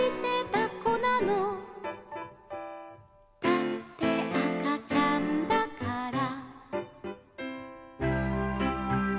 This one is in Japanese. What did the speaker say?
「だってあかちゃんだから」